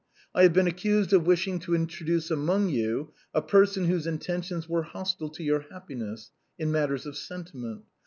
I have been accused of wishing to introduce among you a person whose intentions were hostile to your happiness — in matters of sentiment.